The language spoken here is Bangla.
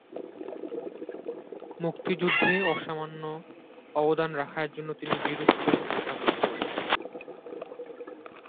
মুক্তিযুদ্ধে অসামান্য রাখার জন্য তিনি বীর উত্তম খেতাব লাভ করেন।